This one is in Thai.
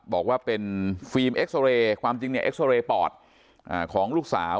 บอกว่าเป็นฟิล์มเอ็กซอเรย์ความจริงเนี่ยเอ็กซอเรย์ปอดของลูกสาว